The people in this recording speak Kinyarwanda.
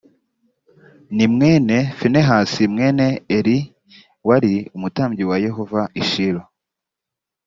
ni mwene finehasi mwene elie wari umutambyi wa yehova i shilo